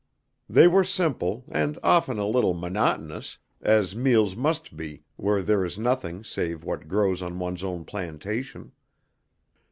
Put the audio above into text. They were simple, and often a little monotonous, as meals must be where there is nothing save what grows on one's own plantation.